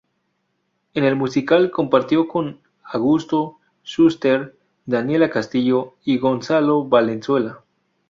En el musical compartió con Augusto Schuster, Daniela Castillo y Gonzalo Valenzuela.